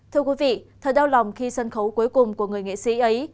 thưa quý vị thời đau lòng khi sân khấu cuối cùng của người nghệ sĩ ấy